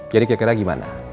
jadi kira kira gimana